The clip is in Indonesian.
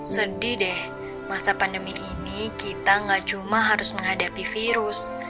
sedih deh masa pandemi ini kita gak cuma harus menghadapi virus